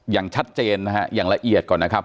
อย่างชัดเจนนะฮะอย่างละเอียดก่อนนะครับ